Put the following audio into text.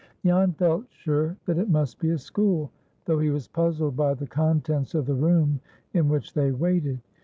Jan felt sure that it must be a school, though he was puzzled by the contents of the room in which they waited.